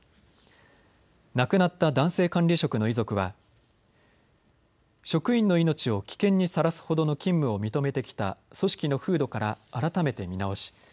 亡くなった男性管理職の遺族は職員の命を危険にさらすほどの勤務を認めてきた組織の風土から改めて見直し